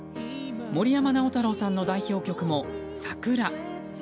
森山直太朗さんの代表曲も「さくら」。